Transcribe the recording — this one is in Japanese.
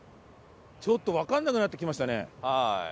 ちょっとわからなくなってきましたね。